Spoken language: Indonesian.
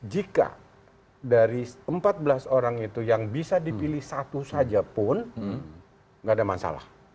jika dari empat belas orang itu yang bisa dipilih satu saja pun nggak ada masalah